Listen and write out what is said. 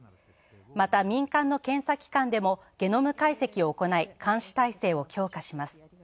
また、民間の検査機関でもゲノム解析を行い、監視体制を強化します。